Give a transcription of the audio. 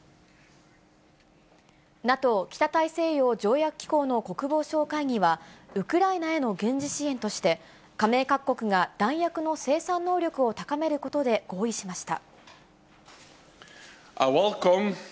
ＮＡＴＯ・北大西洋条約機構の国防相会議は、ウクライナへの軍事支援として、加盟各国が弾薬の生産能力を高めることで合意しました。